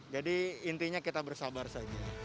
jadi intinya kita bersabar saja